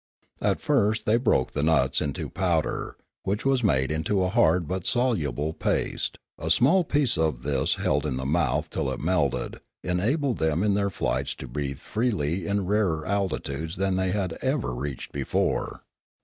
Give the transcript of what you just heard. At first they broke the nuts into powder, which was made into a hard but soluble paste: a small piece of this held in the mouth till it melted enabled them in their flights to breathe freely in rarer altitudes than they had ever reached before.